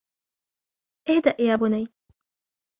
اهدأ يا بني.